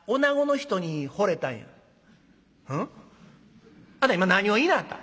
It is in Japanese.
「うん？あんた今何を言いなはった？